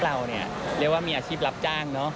เรานี่เล่วว่ามีอาชีพรับจ้าง